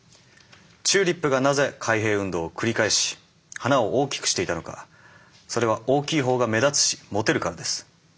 チューリップがなぜ開閉運動を繰り返し花を大きくしていたのかそれは大きい方が目立つしモテるからです。